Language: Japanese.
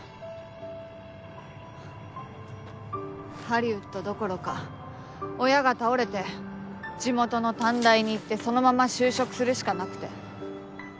ハリウッドどころか親が倒れて地元の短大に行ってそのまま就職するしかなくて。